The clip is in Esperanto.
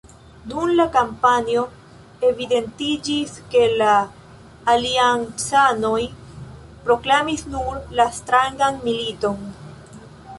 Dum la kampanjo evidentiĝis ke la aliancanoj proklamis nur la strangan militon.